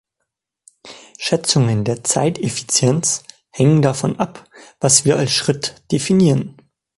Schätzungen der Zeiteffizienz hängen davon ab, was wir als Schritt definieren.